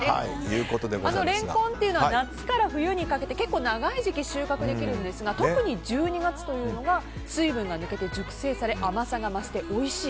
レンコンというのは夏から冬にかけて長い時期収穫できるんですが特に１２月というのが水分が抜けて熟成され甘さが増しておいしい